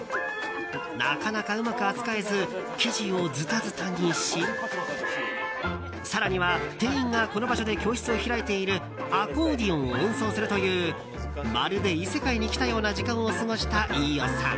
なかなかうまく扱えず生地をズタズタにし更には、店員がこの場所で教室を開いているアコーディオンを演奏するというまるで異世界に来たような時間を過ごした飯尾さん。